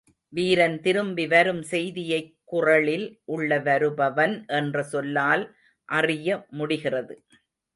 வீரன் திரும்பி வரும் செய்தியைக் குறளில் உள்ள வருபவன் என்ற சொல்லால் அறிய முடிகிறது.